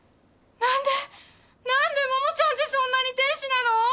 なんでなんで桃ちゃんってそんなに天使なの！